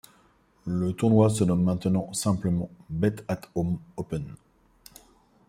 Le tournoi se nomme maintenant simplement bet-at-home Open.